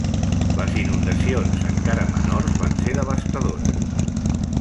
Les inundacions encara menors van ser devastadores.